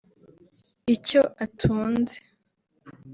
icyo atunze